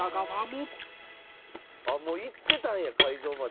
もう行ってたんや会場まで。